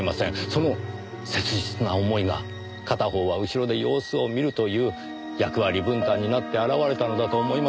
その切実な思いが片方は後ろで様子を見るという役割分担になって表れたのだと思いますよ。